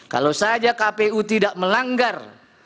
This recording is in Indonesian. kalau saja kpu tidak melanggar